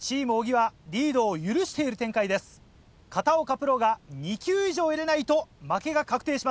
プロが２球以上入れないと負けが確定します。